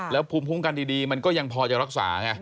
แล้วพุ่งกันดีมันก็ยังพอจะรักษาไง